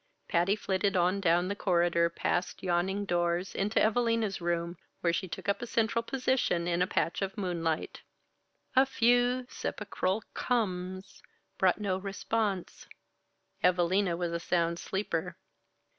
Patty flitted on down the corridor, past yawning doors, into Evalina's room, where she took up a central position in a patch of moonlight. A few sepulchral "Comes!" brought no response. Evalina was a sound sleeper.